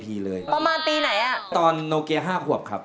ดีดนตรีมาครับ